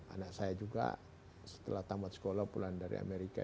anak saya juga setelah tamat sekolah pulang dari amerika